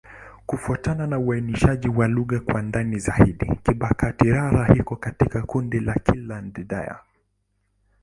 Kufuatana na uainishaji wa lugha kwa ndani zaidi, Kibakati'-Rara iko katika kundi la Kiland-Dayak.